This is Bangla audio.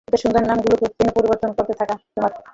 এতো সুন্দর নাম গুলোকে কেন পরিবর্তন করতে থাকো তোমারা?